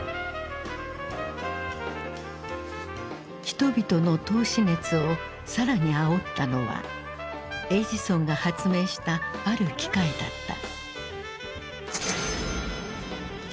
人々の投資熱を更にあおったのはエジソンが発明したある機械だった。